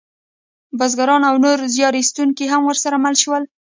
بزګران او نور زیار ایستونکي هم ورسره مل شول.